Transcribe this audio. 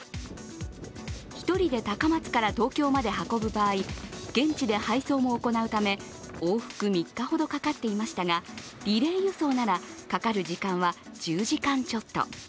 １人で高松から東京まで運ぶ場合、現地で配送も行うため、往復３日ほどかかっていましたが、リレー輸送ならかかる時間は１０時間ちょっと。